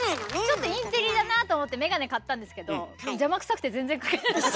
ちょっとインテリだなと思って眼鏡買ったんですけど邪魔くさくて全然かけない。